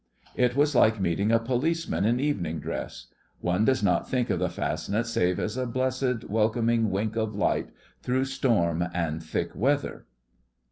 It was like meeting a policeman in evening dress. One does not think of the Fastnet save as a blessed welcoming wink of light through storm and thick weather.